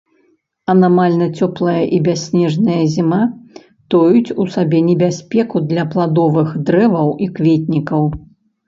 Анамальна цёплая і бясснежная зіма тоіць у сабе небяспеку для пладовых дрэваў і кветнікаў.